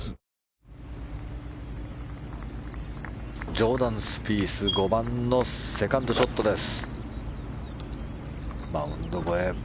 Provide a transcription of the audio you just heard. ジョーダン・スピース５番のセカンドショットです。